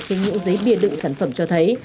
trên những giấy bìa đựng sản phẩm cho thấy